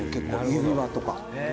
指輪とか」